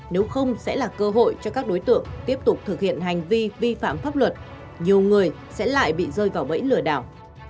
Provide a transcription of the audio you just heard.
nếu không sẽ là cơ hội cho các đối tượng tiếp tục thực hiện hành vi vi phạm pháp luật nhiều người sẽ lại bị rơi vào bẫy lừa đảo